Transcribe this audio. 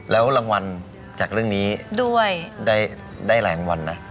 แล้วรางวัลจากเรื่องนี้ด้วยได้หลายรางวัลนะ